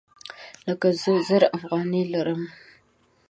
لکه زه زر افغانۍ لرم